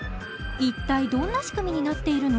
一体どんな仕組みになっているの？